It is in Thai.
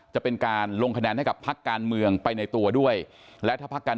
จะเป็นการลงคะแนนให้กับพักการเมืองไปในตัวด้วยและถ้าพักการ